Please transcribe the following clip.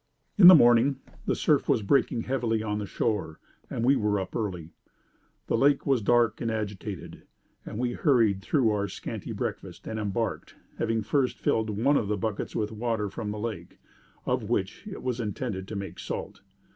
"'In the morning, the surf was breaking heavily on the shore, and we were up early. The lake was dark and agitated, and we hurried through our scanty breakfast, and embarked having first filled one of the buckets with water from the lake, of which it was intended to make salt.